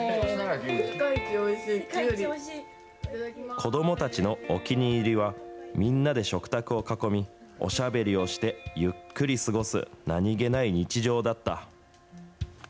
子どもたちのお気に入りは、みんなで食卓を囲み、おしゃべりをして、ゆっくり過ごす何気ない日常だった。